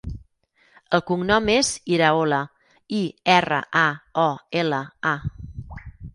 El cognom és Iraola: i, erra, a, o, ela, a.